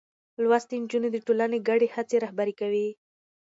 لوستې نجونې د ټولنې ګډې هڅې رهبري کوي.